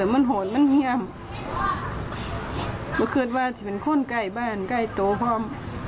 เมื่อเกิดว่าจะเป็นคนใกล้บ้านใกล้โตพร่อม